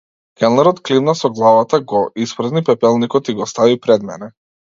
Келнерот климна со главата, го испразни пепелникот и го стави пред мене.